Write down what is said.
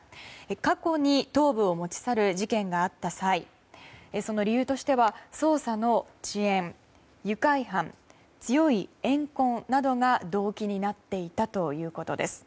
過去に頭部を持ち去る事件があった際その理由としては捜査の遅延、愉快犯強い怨恨などが動機になっていたということです。